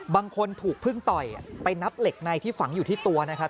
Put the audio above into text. บางคนถูกพึ่งต่อยไปนับเหล็กในที่ฝังอยู่ที่ตัวนะครับ